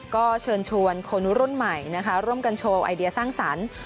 ก็เชิญชวนคนรุ่นใหม่นะคะร่วมกันโชว์ไอเดียสร้างสรรค์